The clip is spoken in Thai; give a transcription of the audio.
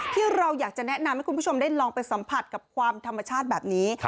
ที่เราอยากจะแนะนำให้คุณผู้ชมได้ลองไปสัมผัสกับความธรรมชาติแบบนี้